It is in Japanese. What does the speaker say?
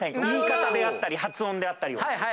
言い方であったり発音であったりを。